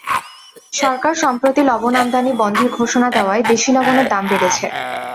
সরকার সম্প্রতি লবণ আমদানি বন্ধের ঘোষণা দেওয়ায় দেশি লবণের দাম বেড়েছে।